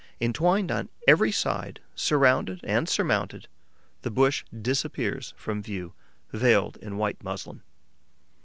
Entwined on every side, surrounded and surmounted, the bush disappears from view, veiled in white muslin.